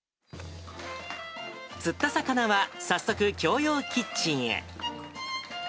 釣った魚は早速、共用キッチンへ。